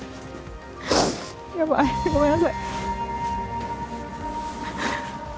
やばいごめんなさい。